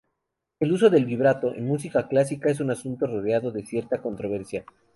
El uso del "vibrato" en música clásica es un asunto rodeado de cierta controversia.